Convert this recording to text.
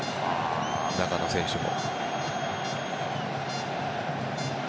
中の選手も。